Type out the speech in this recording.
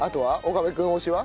岡部君推しは？